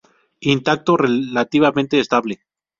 Intacto y relativamente estable.